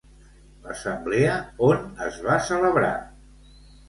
L'assemblea on es va celebrar?